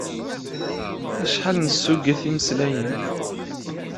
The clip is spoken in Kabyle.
Acḥal nessuget imeslayen.